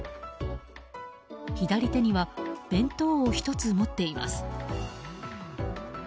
左手には弁当を１つ持っています。